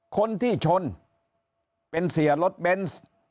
คนที่ชนเป็นเสียรถเบนส์